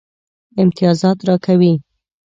امتیازات راکوي.